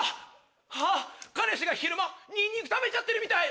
ハッ彼氏が昼間ニンニク食べちゃってるみたい。